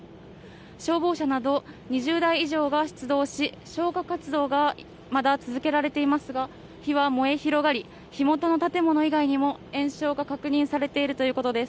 消防車など２０台以上が出動し、消火活動がまだ続けられていますが、火は燃え広がり、火元の建物以外にも延焼が確認されているということです。